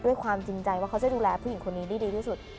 ความจริงใจว่าเขาจะดูแลผู้หญิงคนนี้ได้ดีที่สุด